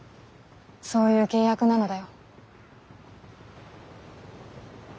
そういう契約なのだよ。